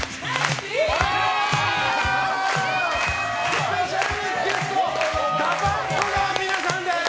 スペシャルゲストＤＡＰＵＭＰの皆さんです！